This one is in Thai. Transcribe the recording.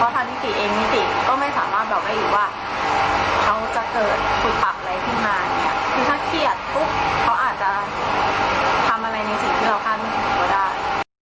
ในสิ่งที่เราฆ่าข้าได้